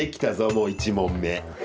もう１問目。